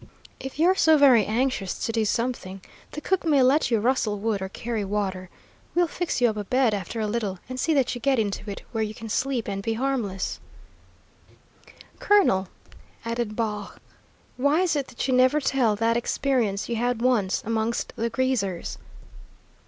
If you're so very anxious to do something, the cook may let you rustle wood or carry water. We'll fix you up a bed after a little, and see that you get into it where you can sleep and be harmless. "Colonel," added Baugh, "why is it that you never tell that experience you had once amongst the greasers?"